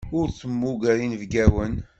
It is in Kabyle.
Ur temmuger inebgawen.